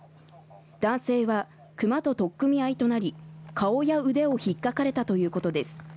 男性は熊と取っ組み合いとなり、顔や腕を引っかかれたということです。